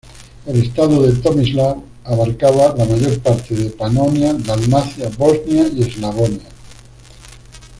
El estado de Tomislav abarcaba la mayor parte de Panonia, Dalmacia, Bosnia y Eslavonia.